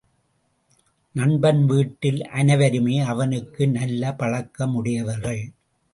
நண்பன் வீட்டில் அனைவருமே அவனுக்கு நல்ல பழக்கமுடையவர்கள்.